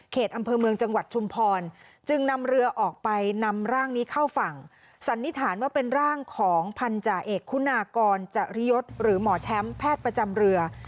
เขตอำเภอเมืองจังหวัดชุมพร